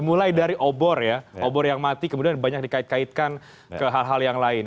mulai dari obor ya obor yang mati kemudian banyak dikait kaitkan ke hal hal yang lain